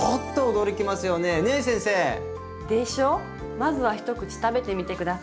まずは一口食べてみて下さい。